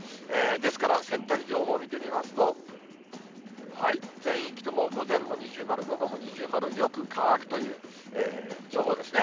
ですから、洗濯情報見てみますと、全域とも午前も二重丸、午後も二重丸、よく乾くという情報ですね。